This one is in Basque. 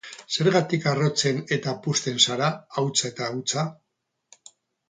Zergatik harrotzen eta puzten zara, hautsa eta hutsa?